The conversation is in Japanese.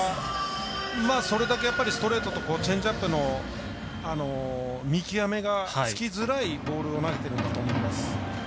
それだけストレートとチェンジアップの見極めがつきづらいボールを投げてるんだと思います。